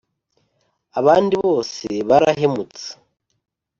abandi bose barahemutse;